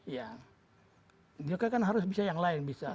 iya mereka kan harus bisa yang lain bisa